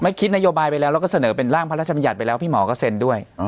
คิดนโยบายไปแล้วแล้วก็เสนอเป็นร่างพระราชบัญญัติไปแล้วพี่หมอก็เซ็นด้วย